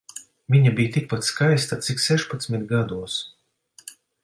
Viņa bija tikpat skaista cik sešpadsmit gados.